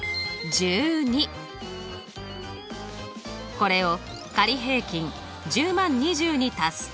これを仮平均１０万２０に足すと。